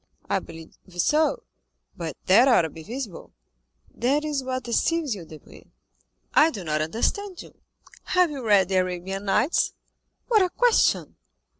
"I believe so." "But that ought to be visible." "That is what deceives you, Debray." "I do not understand you." "Have you read the Arabian Nights?" "What a question!"